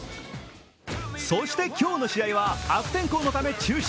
そして今日の試合は悪天候のため中止。